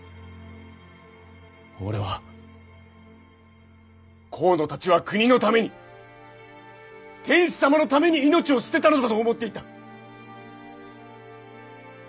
俺は河野たちは国のために天子様のために命を捨てたのだと思っていた。